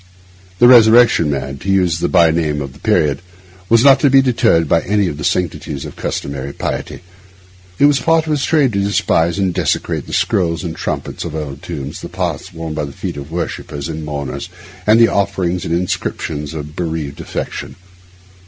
The Resurrection Man—to use a byname of the period—was not to be deterred by any of the sanctities of customary piety. It was part of his trade to despise and desecrate the scrolls and trumpets of old tombs, the paths worn by the feet of worshippers and mourners, and the offerings and the inscriptions of bereaved affection.